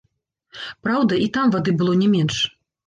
Праўда, і там вады было не менш.